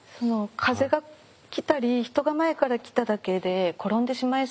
風が来たり人が前から来ただけで転んでしまいそうで。